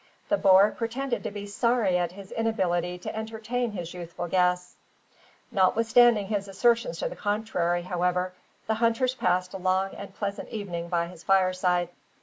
The boer pretended to be sorry at his inability to entertain his youthful guests. Notwithstanding his assertions to the contrary, however, the hunters passed a long and pleasant evening by his fireside.